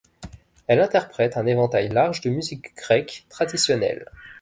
Elle interprète un éventail large de musique grecque traditionnelle.